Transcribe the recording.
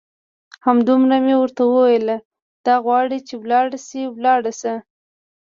همدومره مې درته وویل، که غواړې چې ولاړ شې ولاړ شه.